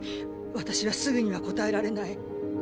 私はすぐには答えられない。